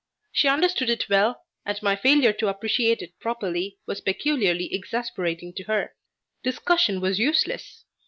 She understood it well, and my failure to appreciate it properly was peculiarly exasperating to her. Discussion was useless.